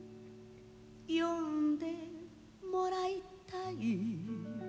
「読んでもらいたい」